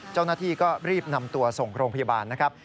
เจ้าหน้าที่ก็รีบนำตัวส่งโรงพยาบาลนะครับ